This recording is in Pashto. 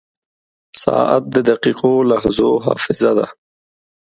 • ساعت د دقیقو لحظو حافظه ده.